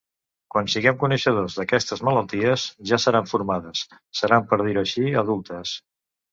Quan siguem coneixedors d'aquestes malalties, ja estaran formades, seran, per dir-ho així, adultes.